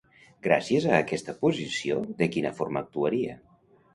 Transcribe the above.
Gràcies a aquesta posició, de quina forma actuaria?